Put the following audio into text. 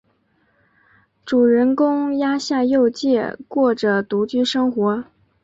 主人公鸭下佑介过着独居生活。